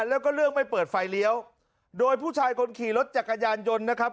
แล้วก็เรื่องไม่เปิดไฟเลี้ยวโดยผู้ชายคนขี่รถจักรยานยนต์นะครับ